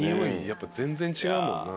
やっぱ全然違うもんな。